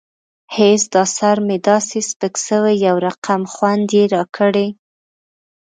هېڅ دا سر مې داسې سپک سوى يو رقم خوند يې راکړى.